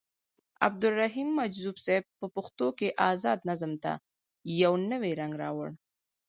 عبدالرحيم مجذوب صيب په پښتو کې ازاد نظم ته يو نوې رنګ راوړو.